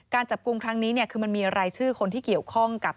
จับกลุ่มครั้งนี้คือมันมีรายชื่อคนที่เกี่ยวข้องกับ